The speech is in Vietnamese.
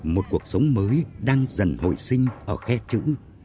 một cuộc sống mới đang dần hồi sinh ở khe chữ